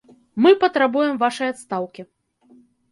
Мы патрабуем вашай адстаўкі.